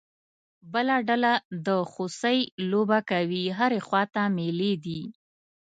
بله ډله د خوسی لوبه کوي، هرې خوا ته مېلې دي.